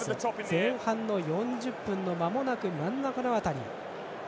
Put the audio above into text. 前半４０分のまもなく真ん中辺り。